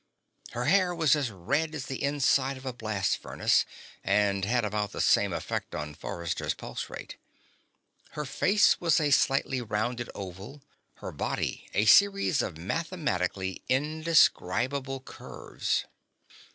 Her hair was as red as the inside of a blast furnace, and had about the same effect on Forrester's pulse rate. Her face was a slightly rounded oval, her body a series of mathematically indescribable curves.